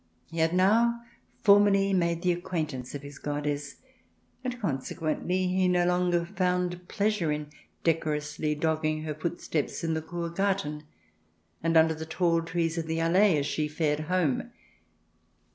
He had now formally made the acquaintance of his goddess, and, consequently, he no longer found pleasure in de corously dogging her footsteps in the Kur Garten, and under the tall trees of the Allee as she fared home.